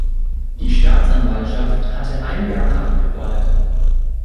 Die Staatsanwaltschaft hatte ein Jahr Haft gefordert.